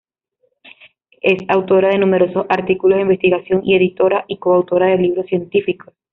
Es autora de numerosos artículos de investigación y editora y coautora de libros científicos.